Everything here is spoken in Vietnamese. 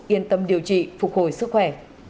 yên tâm điều trị phục hồi sức khỏe